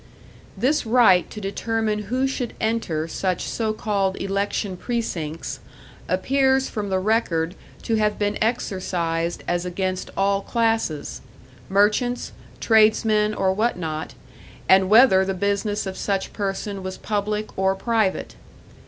"This right to determine who should enter such so called election precincts, appears from the record to have been exercised as against all classes; merchants, tradesmen or what not, and whether the business of such person was public or private.